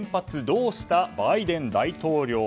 どうしたバイデン大統領？